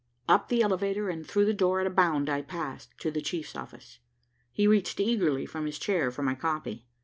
Up the elevator and through the door at a bound I passed, to the chief's office. He reached eagerly from his chair for my copy.